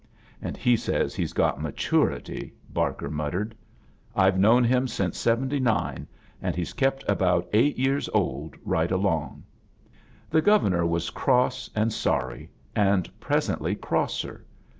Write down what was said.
"And he says he's got matority," Bar ker muttered. "Fve known him since' seventy nine, and he's kept about eight years old right along." The Governor ^^ was cross and sorry, and presently cross er.